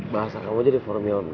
bahasa kamu jadi formula